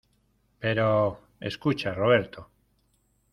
pero... escucha, Roberto .